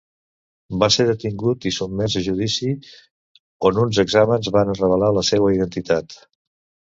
Va ser detingut i sotmès a judici, on uns exàmens varen revelar la seua identitat.